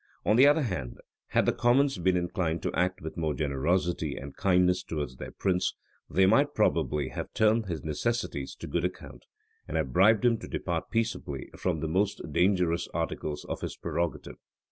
On the other hand, had the commons been inclined to act with more generosity and kindness towards their prince, they might probably have turned his necessities to good account, and have bribed him to depart peaceably from the more dangerous articles of his prerogative.